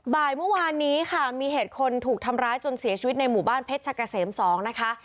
บ่ายเมื่อวานนี้ค่ะมีเหตุคนถูกทำร้ายจนเสียชีวิตในหมู่บ้านเพชรชะกะเสม๒นะคะ